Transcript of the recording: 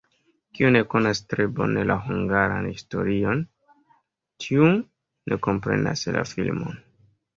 Kiu ne konas tre bone la hungaran historion, tiu ne komprenas la filmon.